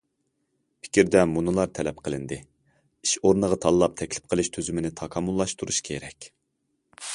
پىكىردە مۇنۇلار تەلەپ قىلىندى: ئىش ئورنىغا تاللاپ تەكلىپ قىلىش تۈزۈمىنى تاكامۇللاشتۇرۇش كېرەك.